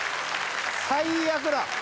最悪だ